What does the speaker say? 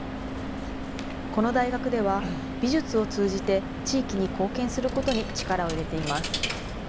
この大学では、美術を通じて地域に貢献することに力を入れています。